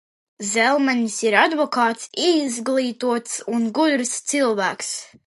Zelmenis ir advokāts, izglītots un gudrs cilvēks.